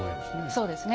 そうですね。